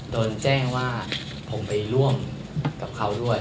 โดนแจ้งว่าผมไปร่วมกับเขาด้วย